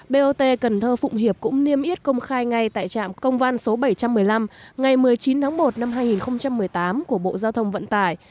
bot cần thơ phụng hiệp cũng niêm yết công khai ngay tại trạm công văn số bảy trăm một mươi năm ngày một mươi chín tháng một năm hai nghìn một mươi tám của bộ giao thông vận tải